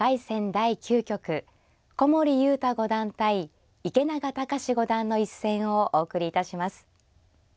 第９局古森悠太五段対池永天志五段の一戦をお送りいたします。